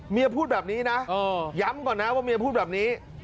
พูดแบบนี้นะย้ำก่อนนะว่าเมียพูดแบบนี้